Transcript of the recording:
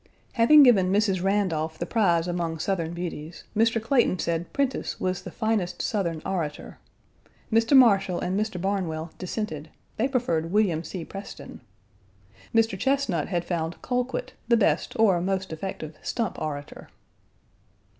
Having given Mrs. Randolph the prize among Southern beauties, Mr. Clayton said Prentiss was the finest Southern orator. Mr. Marshall and Mr. Barnwell dissented; they preferred William C. Preston. Mr. Chesnut had found Colquitt the best or most effective stump orator.